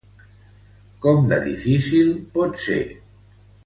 Com de difícil pot ser?